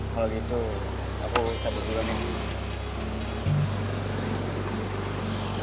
kalau gitu aku cabut dulu aja nih